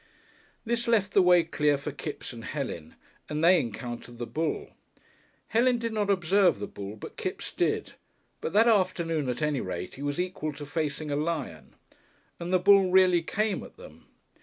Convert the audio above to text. This left the way clear for Kipps and Helen, and they encountered the bull. Helen did not observe the bull, but Kipps did; but, that afternoon at any rate, he was equal to facing a lion. And the bull really came at them.